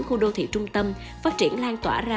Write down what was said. khu đô thị trung tâm phát triển lan tỏa ra